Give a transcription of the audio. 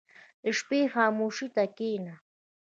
• د شپې خاموشي ته کښېنه.